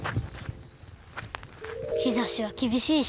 日ざしは厳しいし。